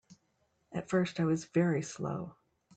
At first I was very slow.